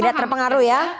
tidak terpengaruh ya